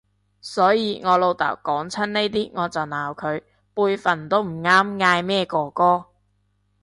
所以我老豆講親呢啲我就鬧佢，輩份都唔啱嗌咩哥哥